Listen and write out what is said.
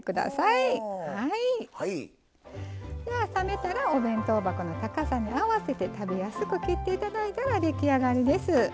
では冷めたらお弁当箱の高さに合わせて食べやすく切って頂いたら出来上がりです。